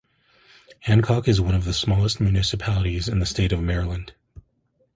Hancock is one of the smallest municipalities in the state of Maryland.